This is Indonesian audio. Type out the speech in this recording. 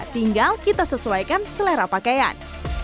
tinggal kita sesuaikan selera pakaian